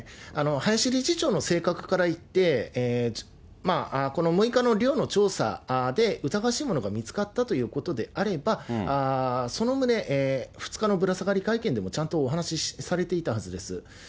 林理事長の性格からいって、まあ、この６日の寮の調査で、疑わしいものが見つかったということであれば、その旨、２日のぶら下がり会見でもちゃんとお話しされていたはずです。